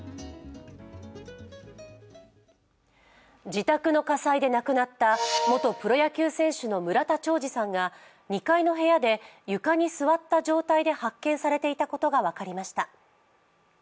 自宅の火災で亡くなった元プロ野球選手の村田兆治さんが２階の部屋で床に座った状態で発見されていたことが分かりました。